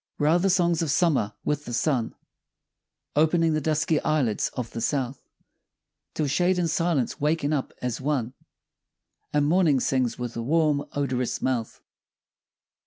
Where are the songs of Summer? With the sun, Opening the dusky eyelids of the south, Till shade and silence waken up as one, And Morning sings with a warm odorous mouth.